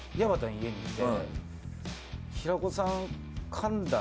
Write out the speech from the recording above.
家にいて。